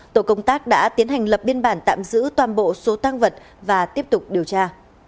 tổ công tác đã tiến hành lập biên bản tạm giữ toàn bộ số tăng vật và tiếp tục điều tra